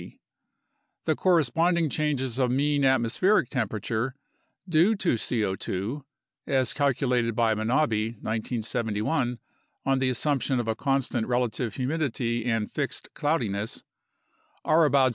d. The corresponding changes of mean atmospheric temperature due to C0 2 [as calculated by Manabe (1971) on the assumption of constant relative humidity and fixed cloudiness] are about 0.